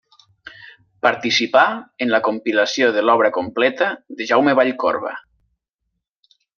Participà en la compilació de l'obra completa de Jaume Vallcorba.